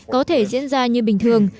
có thể diễn ra như bình thường